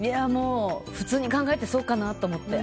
普通に考えてそうかなと思って。